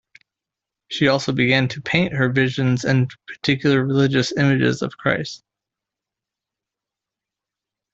She also began to paint her visions and particular religious images of Christ.